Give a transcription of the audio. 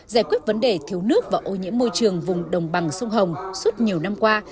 giải quyết vấn đề thiếu nước và ô nhiễm môi trường vùng đồng bằng sông hồng suốt nhiều năm qua